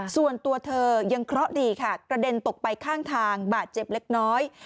ส่วนตัวเธอยังเคราะห์ดีค่ะกระเด็นตกไปข้างทางบาดเจ็บเล็กน้อย